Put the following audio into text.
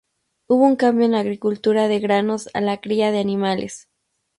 Hubo un cambio en la agricultura de granos a la cría de animales.